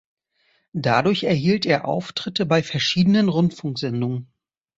Dadurch erhielt er Auftritte bei verschiedenen Rundfunksendungen.